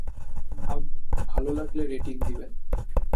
Sub ভাল লাগলে rating দিবেন।